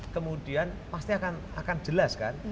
kemudian pasti akan jelas kan